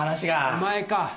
お前か？